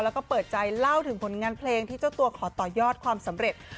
แล้วก็เปิดใจเล่าถึงผลงานเพลงที่เจ้าตัวขอต่อยอดความสำเร็จ